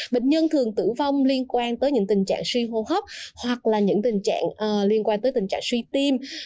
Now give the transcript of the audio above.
bệnh nhân thường tử vong liên quan tới những tình trạng suy hô hấp hoặc là những tình trạng liên quan tới tình trạng suy tim